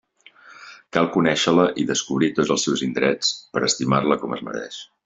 Cal conéixer-la i descobrir tots els seus indrets per a estimar-la com es mereix.